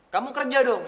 kamu kerja dong